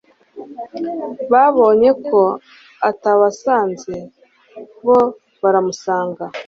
Babonye ko atabasanze, bo baramusanga.